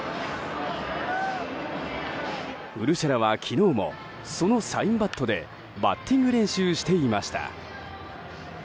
ウルシェラは昨日もそのサインバットでバッティング練習していました。